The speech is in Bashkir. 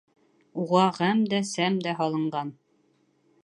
Уға ғәм дә, сәм дә һалынған.